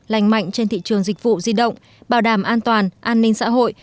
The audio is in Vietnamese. lành mạnh trên thị trường dịch vụ di động bảo đảm an toàn an ninh xã hội